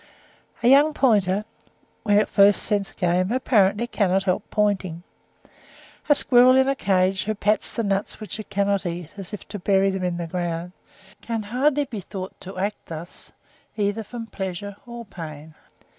A young pointer, when it first scents game, apparently cannot help pointing. A squirrel in a cage who pats the nuts which it cannot eat, as if to bury them in the ground, can hardly be thought to act thus, either from pleasure or pain.